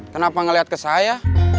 kenapa ngeliat ke saya